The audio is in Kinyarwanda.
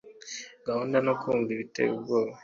Guhiga no kumva biteye ubwoba